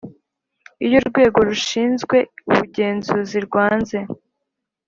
Iyo Urwego rushinzwe ubugenzuzi rwanze